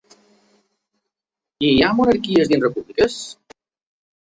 I hi ha monarquies dins repúbliques?